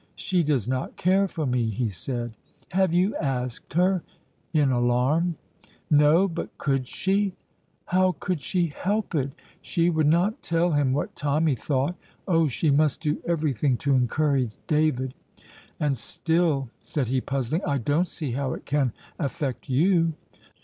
"She does not care for me," he said. "Have you asked her?" in alarm. "No; but could she?" "How could she help it?" She would not tell him what Tommy thought. Oh, she must do everything to encourage David. "And still," said he, puzzling, "I don't see how it can affect you."